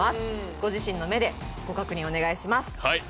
ご自身の目でご確認お願いしますはい！